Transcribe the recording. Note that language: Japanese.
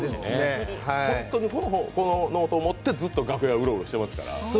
本当にこのノートを持ってずっと楽屋うろうろしてますから。